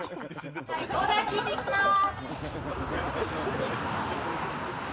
オーダー聞いてきます。